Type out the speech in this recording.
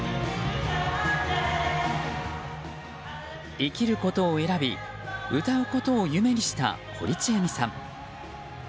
生きることを選び歌うことを夢にした堀ちえみさん。